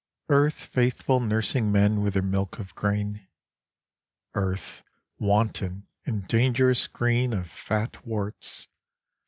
Earth faithful nursing men with her milk of grain. Earth wanton in dangerous green of fat worts.